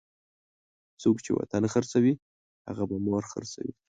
څوک چې وطن خرڅوي هغه به مور خرڅوي.